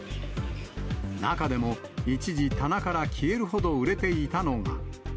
中でも、一時、棚から消えるほど売れていたのが。